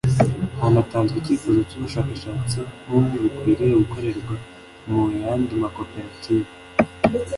Hanatanzwe icyifuzo ko ubushakashatsi nk’ubu bukwiye no gukorerwa mu yandi ma koperative